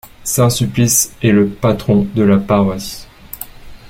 Saint Sulpice est le patron de la paroisse.